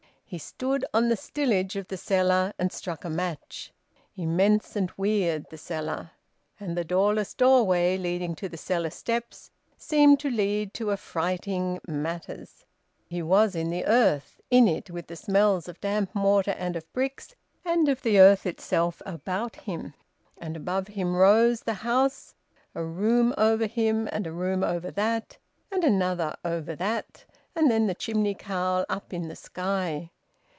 He stood on the stillage of the cellar, and struck a match. Immense and weird, the cellar; and the doorless doorway, leading to the cellar steps, seemed to lead to affrighting matters. He was in the earth, in it, with the smells of damp mortar and of bricks and of the earth itself about him, and above him rose the house, a room over him, and a room over that and another over that, and then the chimney cowl up in the sky.